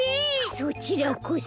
そちらこそ。